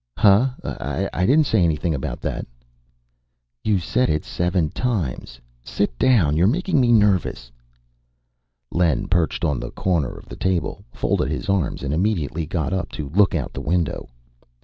"Huh? I didn't say anything about that." "You said it seven times. Sit down. You're making me nervous." Len perched on the corner of the table, folded his arms, and immediately got up to look out the window.